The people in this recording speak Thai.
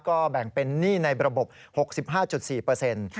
ก็แบ่งเป็นหนี้ในระบบ๖๕๔เปอร์เซ็นต์